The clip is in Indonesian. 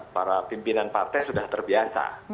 para pimpinan partai sudah terbiasa